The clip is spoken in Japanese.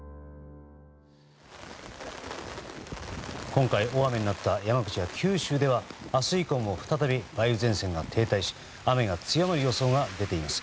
今回、大雨になった山口や九州では明日以降も再び梅雨前線が停滞し雨が強まる予想が出ています。